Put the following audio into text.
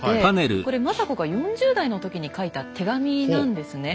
これ政子が４０代の時に書いた手紙なんですね。